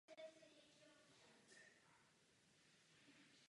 Dnes je zde umístěno vojenské muzeum.